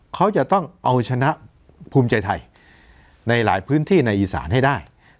เขาจะต้องเอาชนะภูมิใจไทยในหลายพื้นที่ในอีสานให้ได้